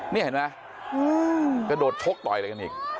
นี่เห็นไหมกระโดดชกต่อยอะไรกันอีก